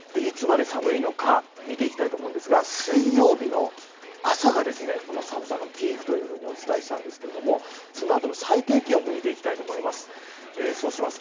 いつまで寒いのか見ていきたいと思うんですが水曜日の朝がこの寒さのピークとお伝えしたんですけれどもその後の最低気温も見ていきたいと思います。